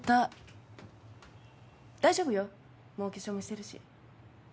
大丈夫よもうお化粧もしてるし。